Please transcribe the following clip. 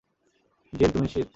Gen, তুমি নিশ্চিত?